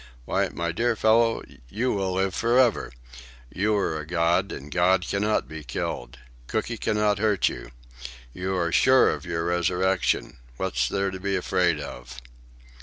Why, my dear fellow, you will live for ever. You are a god, and God cannot be killed. Cooky cannot hurt you. You are sure of your resurrection. What's there to be afraid of?